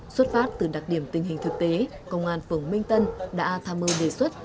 xuất phát từ đặc điểm tình hình thực tế công an phường minh tân đã tham mưu đề xuất